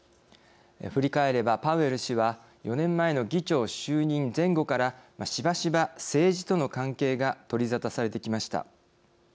振り返れば、パウエル氏は４年前の議長就任前後からしばしば政治との関係が取りざたされてきました。